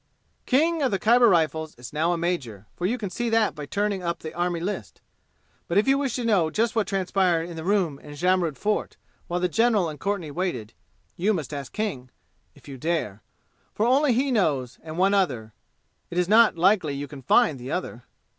King of the Khyber Rifles is now a major, for you can see that by turning up the army list. But if you wish to know just what transpired in the room in Jamrud Fort while the general and Courtenay waited, you must ask King if you dare; for only he knows, and one other. It is not likely you can find the other.